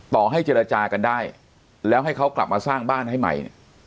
ต่อให้เจรจากันได้แล้วให้เขากลับมาสร้างบ้านให้ใหม่เนี่ย